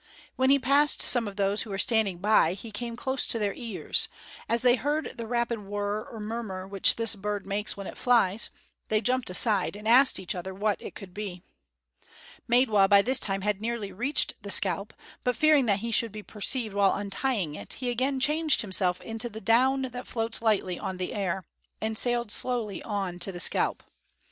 When he passed some of those who were standing by, he came close to their ears; as they heard the rapid whirr or murmur which this bird makes when it flies, they jumped aside and asked each other what it could be. Maidwa by this time had nearly reached the scalp, but fearing that he should be perceived while untying it, he again changed himself into the down that floats lightly on the air, and sailed slowly on to the scalp.